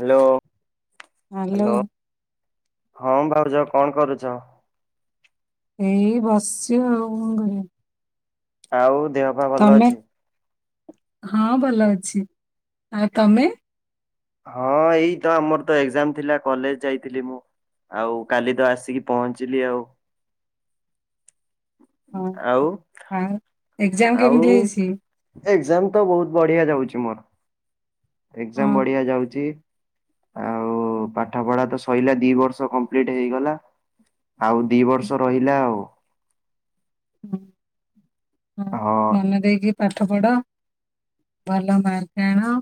Hello hello. ହଁ ଭାଉଜ କଣ କରୁଚ? ଏଇ ବସଚୁ ଆଉ କଁ କରିମି? ଆଉ ଦେହ ପା ଭଲ ଅଛି? ହଁ ଭଲ ଅଛି ଆଉ ତମେ? ହଁ ଏଇ ତ ଆମର ତ ଏଗ୍ଜାମ ଥିଲା କଲେଜ ଯାଇଥିଲି ମୁଁ ଆଉ କାଲି ତ ଆସିକି ପହଞ୍ଚିଲି ଆଉ ହଁ ଆଉ ଆଉ ଏକ୍ଜାମ୍ କେମିତି ହେଇଚି? ଏକ୍ଜାମ୍ ତ ବୋହୁତ୍ ବଢ଼ିଆ ଯାଉଚି ମୋର। ହଁ। ଏକ୍ଜାମ୍ ବଢ଼ିଆ ଯାଉଚି। ଆଉ ପାଠ ପଢ଼ା ତ ସଇଲା ଦି ବର୍ଷ କମ୍ପ୍ଲିଟ୍ ହେଇଗଲା ଆଉ ଦି ବର୍ଷ ରହିଲା ଆଉ ହୁଁ। ହଁ ମନଦେଇକି ପାଠ ପଢ ଭଲ ମାର୍କ ଆଣ।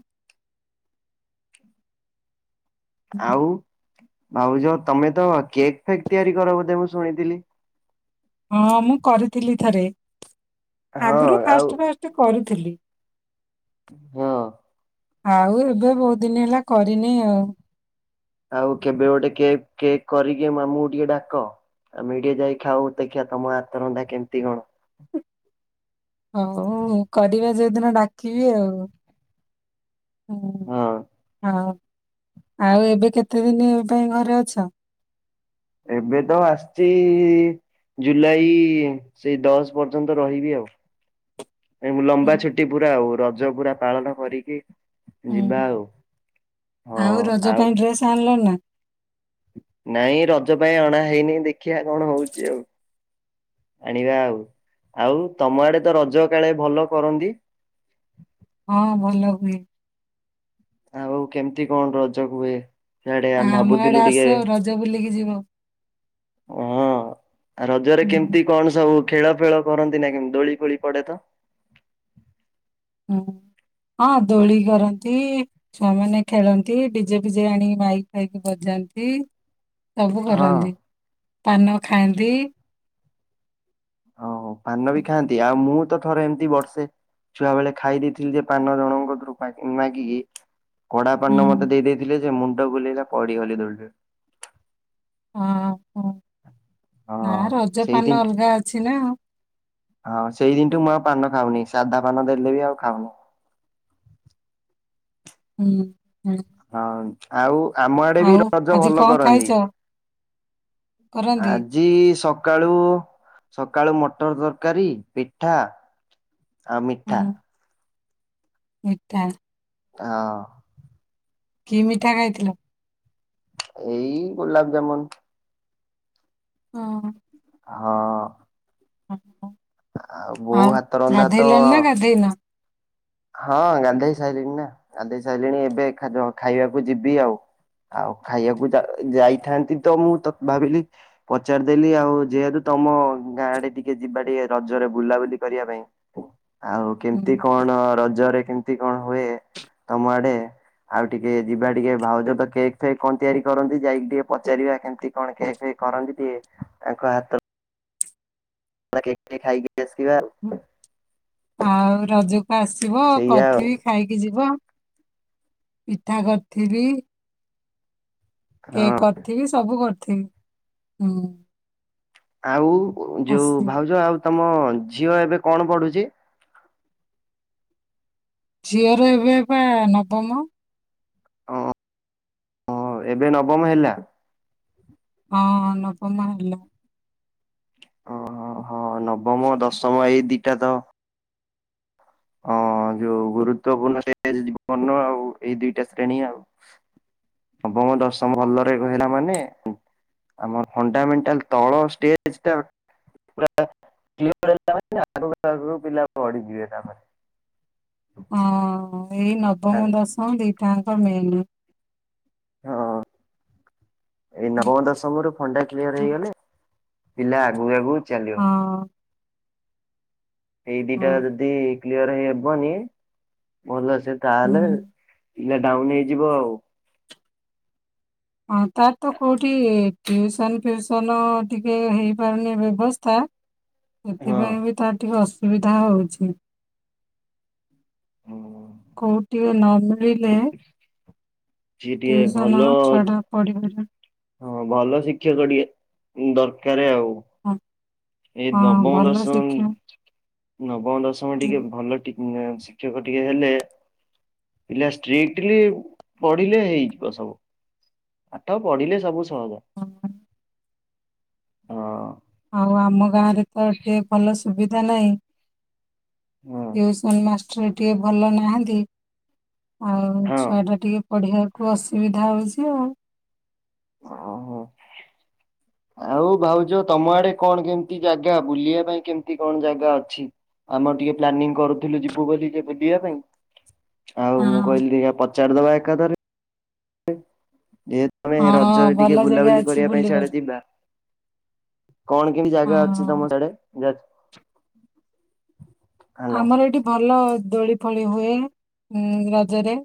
ଆଉ ଭାଉଜ ତମେ ତ କେକ୍ ଫେକ୍ ତିଆରି କର ବୋଧେ ମୁଁ ଶୁଣିଥିଲି। ହଁ ମୁଁ କରିଥିଲି ଥରେ। ହଁ ଆଗୁରୁ ଆଉ ଫାଷ୍ଟ ଫାଷ୍ଟ କରୁ ଥିଲି। ହଁ। ଆଉ ଏବେ ବୋହୁତ ଦିନି ହେଲା କରିନି ଆଉ। ଆଉ କେବେ ଗୋଟେ କେକ୍ କେକ୍ କରିକି ଆମୁକୁ ଟିକେ ଡାକ‌ ଆମେ ଟିକେ ଯାଇ ଖାଉଁ ଦେଖିଆ ତମ ହାତ ରନ୍ଧା କେମତି କଣ? ହଉ କରିବା ଯୋଉ ଦିନ ଡାକିବି ଆଉ। ହଁ ହୁଁ ହଁ। ଆଉ ଏବେ କେତେ ଦିନି ଏ ପାଇଁ ଘରେ ଅଛ? ଏବେ ତ ଆସଚି ଜୁଲାଇ ସେଇ ଦଶ ପର୍ଯ୍ୟନ୍ତ ରହିବି ଆଉ। ଏଇ ମୁଁ ହୁଁ, ଲମ୍ବା ଛୁଟି ପୁରା ଆଉ ର ଜ ପୁରା ପାଳନ କରିକି ଯିବା ହୁଁ ଆଉ। ଆଉ ରଜ ପାଇଁ ଡ୍ରେସ୍ ଆଣିଲ ନା? ନାଇଁ ରଜ ପାଇଁ ଅଣା ହେଇନି ଦେଖିବା କଣ ହଉଚି ଆଉ ଆଣିବା ଆଉ ଆଉ ତମ ଆଡେ ତ ରଜ କାଳେ ଭଲ କରନ୍ତି? ହଁ ଭଲ ହୁଏ। ଆଉ କେମିତି କଣ ରଜ ହୁଏ? ସିଆଡେ ଆ ଆମେ ଆମ ଭାବୁଥିଲୁ ଆଡେ ଟିକେ ଆସ ରଜ ବୁଲିକି ଯିବ। ହଁ ରଜରେ ହୁଁ, କେମିତି କଣ ସବୁ ଖେଳ ଫେଳ କରନ୍ତି ନା କେମତି କଣ ଦୋଳି ଫୋଳି ପଡେ ତ? ହଁ ହଁ ଦୋଳି କରନ୍ତି ଛୁଆମାନେ ଖେଳନ୍ତି ଡିଜେ ଫିଜେ ଆଣି ମାଇକ୍ ଫାଇକ୍ ବଜାନ୍ତି। ସବୁ ହଁ କରନ୍ତି। ପାନ ଖାଆନ୍ତି। ହଁ ହଁ। ପାନ ବି ଖାଆନ୍ତି ଆଉ ମୁଁ ମୁଁ ତ ଥରେ ଏମିତି ବର୍ଷେ ଛୁଆ ବେଳେ ଖାଇ ଦେଇଥିଲି ଯେ ପାନ ଜଣଙ୍କ କତୁରୁ ମାଗି ମାଗିକି କଡା ପାନ ହୁଁ, ମତେ ଦେଇଥିଲେ ଯେ ମୁଁ ମୁଣ୍ଡ ବୁଲେଇଲା ପଡିଗଲି ଦୋଳି ରୁ ହଁ। ହଁ ହଁ ନା ରଜ ସେଇଦିନ ପାନ ଅଲଗା ଅଛି ନା। ହଁ ସେଇଦିନ ଠୁ ମୁଁ ଆଉ ପାନ ଖାଉନି ସେ ସାଧା ପାନ ଦେଲେ ବି ଆଉ ଖାଉନି। ହୁଁ ଉଁ। ହଁ ଆଉ କୋଉ ଆମ ଆଡେ ବି ରଜ ଆଜି ଭଲ କଣ ଖାଇଛ? କରନ୍ତି। କରନ୍ତି। ଆଜି ସକ ସକାଳୁ ସକାଳୁ ମଟର ତରକାରୀ ପିଠା ଆଉ ମିଠା ହୁଁ, ମିଠା ହଁ। କି ମିଠା ଖାଇଥିଲୁ? ଏଇ ଗୋଲାପ ଜାମୁନ। ଅ ହଁ। ହଁ। [unintelligible] ବୋଉ ଆଉ ହାତ ରନ୍ଧା ତ ଗାଧେଇଲଣି ନା ଗାଧେଇନ? ହଁ ଗାଧେଇ ସାଇଲିଣି ନା ଗାଧେଇ ସାଇଲିଣି ଏବେ ଖାଇବାକୁ ଯିବି ଆଉ ଆଉ ଖାଇବାକୁ ଯାଇଥାନ୍ତି ତ ମୁଁ ଭାବିଲି ପଚାରିଦେଲି ଆଉ ଯେହେତୁ ତମ ଗାଁ ଆଡେ ଟିକେ ଯିବା ଟିକେ ରଜରେ ବୁଲାବୁଲି କରିବା ପାଇଁ। ଆଉ କେମିତି ହୁଁ। କଣ? ରଜରେ କେମିତି କଣ ହୁଏ ତମ ଆଡେ ଆଉ ଟିକେ ଯିବା ଟିକେ ଭାଉଜ ତ କେକ୍ ଫେକ୍ କଣ ତିଆରି କରନ୍ତି ଯାଇକି ଟିକେ ପଚାରିବା କେମତି କଣ କେକ୍ ଫେକ୍ କରନ୍ତି ଟିକେ ତାଙ୍କ ହାତ କେକ ଟିକେ ଖାଇବି। ଆଉ ରଜକୁ ଆସିବ ସେଇଆ ଆଉ କରିଥିବି ଖାଇକି ଯିବ। ପିଠା କରିଥିଲି। କେକ ହଁ କରିଥିବି ସବୁ କରି ଥିବି ହୁଁ। ଆଉ ଯୋଉ ଆସିବ ଭାଉଜ ଆଉ ତମ ଝିଅ ଏବେ କଣ ପଢୁଚି? ଝିଅ ର ଏବେପା ନବମ। ହଁ ହଁ ଏବେ ନବମ ହେଲା? ହଁ ନବମ ହେଲା। ଓହୋ ହଁ ନବମ ଦଶମ ଏଇ ଦିଟା ତ ହଁ ଯୋଉ ଗୁରୁପୂର୍ଣ୍ଣ ଜୀବନ ର ଆଉ ଏଇ ଦିଟା ଶ୍ରେଣୀ ଆଉ ନବମ ଦଶମ ଭଲରେ ରହିଲା ମାନେ ଆମର ଫଣ୍ଡାମେଣ୍ଟାଲ ତଳ ଷ୍ଟେଜଟା ପୁରା କ୍ଲିୟର ହେଲା ମାନେ ଆଗକୁ ଆଗକୁ ପିଲା ପଢ଼ୀ ଯିବେ ତା ପରେ। ହଁ। ଏଇ ହଁ ନବମ ଦଶମ ଦିଟାଙ୍କ କମେଇଲି ହଁ। ଏଇ ନବମ ଦଶମ ର ଫଣ୍ଡା କ୍ଲିୟର ହଁ ହେଇଗଲେ ପିଲା ଆଗକୁ ଆଗକୁ ଚାଲିବ। ଏଇ ଦିଟା ହଁ ଯଦି। କ୍ଲିୟର ହେଇ ହେବନି ଭଲ ସେ ସେ ତାହେଲେ ହୁଁ ପିଲା ଡାଉନ ହେଇଯିବ ଆଉ। ଟଟିଉସନ୍ ଫିଉସନ୍ ଟିକେ ହେଇପାରୁନି ବ୍ୟବସ୍ଥା ହଁ ସେଥିପାଇଁ ବି ତାରଟିକେ ଅସୁ ସୁବିଧା ହଉଛି। ହ କୋଉଠି ଟିକେ ନହେଲେ। ବସିଲେ। ସିଏ ଟିକେ ଟିଉସନ ଭଲ ନା ଛୁଆ ଟା ପଢି ପାରି ହଁ ଭଲ ଶିକ୍ଷକ ଟିକେ ଦରକାର ଆଉ। ହଁ। ଏଇ ନବମ ଭଲ ଦଶମ ଶିକ୍ଷା ନବମ ଦଶମ ହୁଁ। ଟିକେ ଭଲ ଟିକେ ଶିକ୍ଷକ ଟିକେ ହେଲେ ପିଲା ଷ୍ଟ୍ରିକଟଲି ପଢିଲେ ହେଇଯିବ ସବୁ ପାଠ ପଢିଲେ ସବୁ ହବ। ହଁ। ଆଉ ଆମ ଗାଁ ରେ ତ ଟିକେ ଭଲ। ସୁବିଧା ନାହିଁ। ଟୁସନ୍ ମାଷ୍ଟ ଭଲନାହାନ୍ତି ଆଉ ହଁ ଛୁଆଟା ଟିକ ପଢିବାକୁ ଅସୁବିଧା ହଉଛି ଆଉ। ଓହୋ ଆଉ ଭାଉଜ ତମ ଆଡେ କଣ କେମିତି ଜାଗା ବୁଲିବା ପାଇଁ କେମିତି କଣ ଜାଗା ଅଛି ଆମର ଟିକେ ପ୍ଲାନିଂ କରୁଥିଲୁ ଯିବୁ ବୋଲି ବୁଲିବା ପାଇଁ ଆଉ ମୁଁ କହିଲି [unintelligible] ଚାର ଦବା ଏକାଦାରେରେ [unintelligible] ଯେ ତମେ ହଁ ହଁ ରଜରେ ଟିକେ ଭଲ ଜାଗା ବୁଲାବୁଲି ଅଛି କରିବା ପାଇଁ ସଆଡେ ବୁଲିବାକୁ ଯିବା କଣ କେମିତି ଜାଗା ଅଛି ହଁ। ତମ ସିଆଡେ [unintelligible] ଆମର ଏଠି ଭଲ। ଦୋଳି ଫୋଳି ହୁଏ ଉଁ ରଜରେ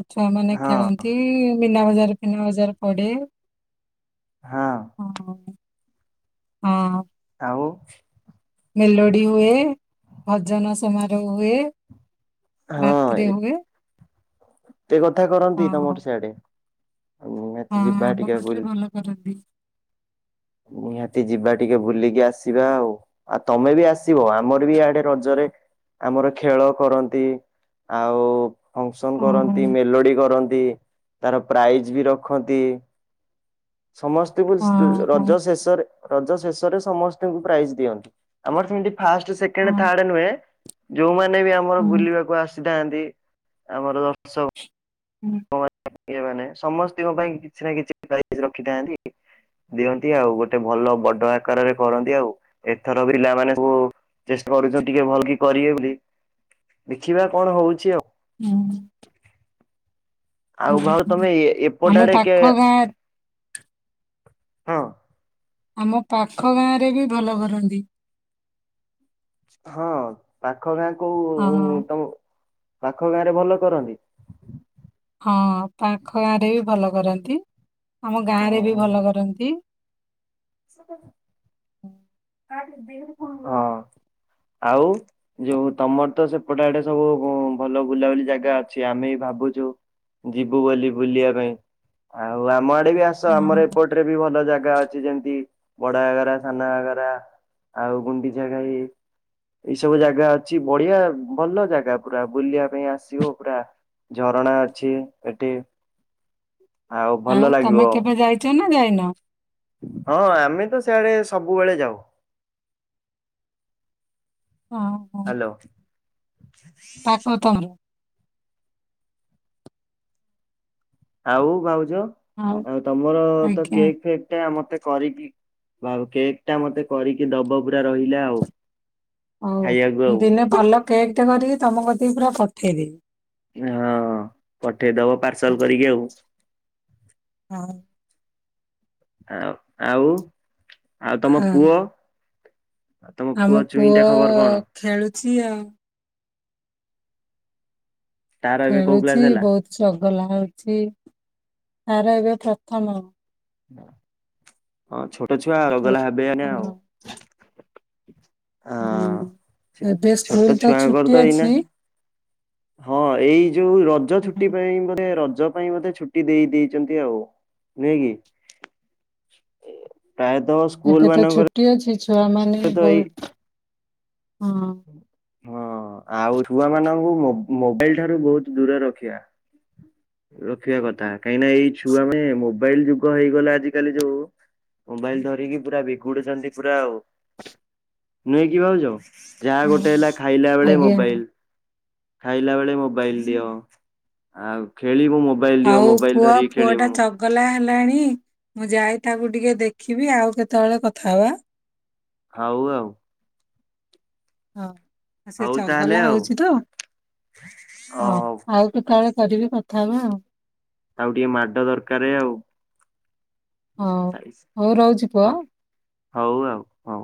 ଆ ଛୁଆ ମାନେ ହଁ ଖେଳନ୍ତି। ବିନା ବଜାର ଫିନା ବଜାର ପଡେ ହଁ ହଁ। ହଁ। ଆଉ। ମେଲୋଡି ହୁଏ ଭଜନ ସମାରୋହ ହୁଏ ହଁ ରାତିରେ ହୁଏ ଏେ କଥା ହଁ କରନ୍ତି ତମର ସିଆଡେ ନିହାତି ହଁ ଯିବା ଆମ ଟିକେ ପଟରେ ବୁଲି ଭଲ କରନ୍ତି ନିହାତି ଯିବା ଟିକେ ବୁଲିକି ଆସିବା ଆଉ ଆଉ ତମେ ବି ଆସିବ ଆମର ବି ଇଆଡେ ରଜରେ ଆମର ଖେଳ କରନ୍ତି ଆଉ ଫଙ୍କସନ ହଁ କରନ୍ତି ମେଲୋଡି କରନ୍ତି ତାର ପ୍ରାଇଜ ବି ରଖନ୍ତି ସମସ୍ତଙ୍କୁ ହଁ ହଁ ରଜ ଶେଷରେ ରଜ ଶେଷରେ ସମସ୍ତଙ୍କୁ ପ୍ରାଇଜ ଦିଅନ୍ତି ଆମର ସେମିତି ଫାଷ୍ଟ ସେକେଣ୍ଡ ହଁ ଥାର୍ଡ ନୁହେଁ ଯେଉଁ ମାନେ ବି ଆମର ହୁଁ ବୁଲିବାକୁ ଆସିବ ଥାନ୍ତି ଆମର ଦର୍ଶକ ହୁଁ ମାନେ ସମସ୍ତଙ୍କ ପାଇଁ କିଛି ନା କିଛି ପ୍ରଇଜ୍ ରଖିଥାନ୍ତି ଦିଅନ୍ତି ଆଉ ଗୋଟେ ଭଲ ବଡ ଆକାରରେ କରନ୍ତି ଆଉ ଏଥର ପିଲା ମାନ ସବୁ ଚେଷ୍ଟା କରୁଛନ୍ତି ଟିକେ ଭଲ କି କରିବେ ବୋଲି ଦେଖିବା କଣ ହଉଛି ଆଉ ହୁଁ ହୁଁ ଆଉ ଭାଉଜ ହୁଁ। ତମେ ଏ ଏପଟ ଆମ ଆଡେ କେ ପାଖ ଗାଁ ହଁ ଆମ ପାଖ ଗାଁରେ ବି ଭଲ କରନ୍ତି ହଁ ପା ପାଖ ଗାଁ କୁ ହଁ ତମ ପାଖ ଗାଁ ରେ ଭଲ କରନ୍ତି ହଁ ପାଖ ଗାଁରେ ବି ଭଲ କରନ୍ତି ଆମ ଗାଁରେ ବି ଭଲ କରନ୍ତି ସ ହଁ ଆଉ ଯୋଉ ତମର ତ ସେପଟେ ଆଡେ ସବୁ ଭଲ ବୁଲାବୁଲି ଜାଗା ଅଛି ଆମେ ଭାବୁଛୁ ଯିବୁ ବୋଲି ବୁଲିବା ପାଇଁ ଆଉ ଆମ ଗାଁ କୁ ଆସ ଆମ ହଁ ଏପଟରେ ବି ଭଲ ଜାଗା ଅଛି ଯେମିତି ବଡ ଘାଗରା ସାନ ଘାଗରା ଆଉ ଗୁଣ୍ଡିଚାଘାଇ ଏଇ ସବୁ ଜାଗା ଅଛି ବଢିଆ ଭଲ ଜାଗା ପୁରା ବୁଲିବା ପାଇଁ ଆସିବ ପୁରା ଝରଣା ଅଛି ଏଠି ଆଉ ଭଲ ଲାଗିବ ତମେ କେବେ ଯାଇଛ ନା ଯାଇନା ହଁ ଆମେ ତ ସେଆଡେ ସବୁବେଳେ ଯାଉ ହଁ ହଁ ହ୍ୟାଲୋ। ପାଖ ତମର [unintelligible] ଆଉ ଭାଉ ଜ ହଉ ଆଉ ତମର ତ ଆଜ୍ଞା କେକ୍ ଫେକ୍ ଟା ମତେ କରିକି ଆଉ କେକ୍ ଟା ମତେ କରିକି ଦବ ପୁରା ରହିଲା ଆଉ। ହଉ ଖାଇବାକୁ ମୁଁ ଆଉ ଦିନେ ଭଲ କେକ ଟା କରିକି ତମ ପ୍ରତିକି ପୁରା ପଠେଇବି। ହଁ ପଠେଇଦବ ପାର୍ସଲ କରିକି ଆଉ। ହଁ। ହ ଆଉ ଆଉ ତମ ପୁଅ? ଆଉ ତମ ଆମ ଚୁଇଁ ପୁଅ ଟା ଖବର କଣ ଖେଳୁ [unintelligible] ତାର ଏବେ କୋଉ କ୍ଲାସ ଖେଳୁଛି ହେଲା? ବହୁତ ଚ ଗଲା ହଉଛି ତାର ଏବେ ପ୍ରଥମ ହଁ ଛୋଟ ଛୋଟଛୁଆଗଲା ହେବେ ଆନେ ପ୍ରଥମ ଆଉ। ହଁ ଏବେ ଛୋଟ ସ୍କୁଲ ତ ଛୁଆଙ୍କର ଛୁଟି ଏଇନା ଅଛି। ହଁ ଏଇ ଯୋଉ ରଜ ଛୁଟି ପାଇଁ ବୋଧେ ର ଜ ପାଇଁ ବୋଧେ ଛୁଟି ଦେଇ ଦେଇଚନ୍ତି ଆଉ ନୁହେଁ କି? ଏ ପ୍ରାୟତଃ ସ୍କୁଲମାନଙ୍କର ଛୁଆମାନେ ବୋହୁତ ହଁ। ହଁ ଆଉ ଛୁଆମାନଙ୍କୁ ମୋ-ମୋବାଇଲ ଠାରୁ ବୋହୁତ ଦୂରରେ ରଖିବା। ରଖିବା କଥା କାହିଁକିନା ଏଇ ଛୁଆମାନେ ମୋବାଇଲ ଯୁଗ ହେଇଗଲା ଆଜିିକାଲି ଯୋଉ ମୋବାଇଲ ଧରିକି ପୁରା ବିଗୁଡୁଚନ୍ତି ପୁରା ଆଉ। ନୁହେଁ କି ଭାଉଜ? ଯାହା ହଁ ଗୋଟେ ହେଲା ଖାଇଲା ବେଳେ ଆଜ୍ଞା। ମୋବାଇଲ୍ ଖାଇଲା ବେଳେ ମୋବାଇଲ ଦିଅ ଆଉ ଖେଳିି ଆଉ ପୁଅ ପୁଅଟା ଚଗଲା ହେଲାଣି ଇ। ମୁଁ ଯାଏ ତାକୁ ଟିକେ ଦେଖିବି ଆଉ କେତୋଳେ କଥା ହବା। ହଉ ଆଉ। ହ। ଆ ସେ ହଉ ତାହେଲେ ଚଗଲା ଆଉ ହଉଚି ତ ହଁ ଅ ଆଉ କେତୋଳେ କରିବି କଥା ହବା ଆଉ। ତାକୁ ଟିକେ ମାଡ ଦରକାର ଆଉ। ହଉ ସାଲିସ୍ ହଉ ରହୁଛି ପୁଅ। ହଁ ହଉ ଆଉ ହଉ।